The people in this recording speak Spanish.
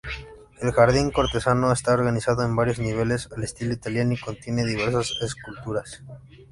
El jardín-cortesano está organizado en varios niveles, al estilo italiano y contiene diversas esculturas.